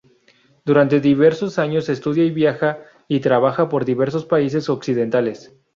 Durante diversos años estudia, viaja y trabaja por diversos países occidentales.